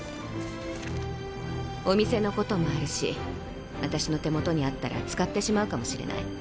お店のこともあるし私の手元にあったら使ってしまうかもしれない。